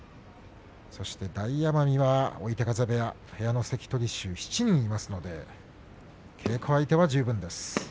大奄美は追手風部屋部屋の関取衆は７人いますので稽古相手は十分です。